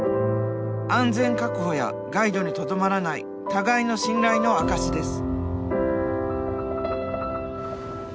安全確保やガイドにとどまらない互いの信頼の証しです。